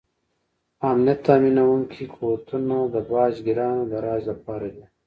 امنیت تامینونکي قوتونه د باج ګیرانو د راج لپاره دي.